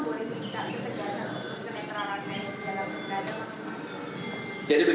kenetrakan dari bapak bapak